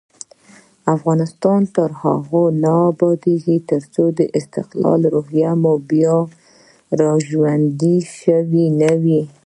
افغانستان تر هغو نه ابادیږي، ترڅو د استقلال روحیه مو بیا راژوندۍ نشي.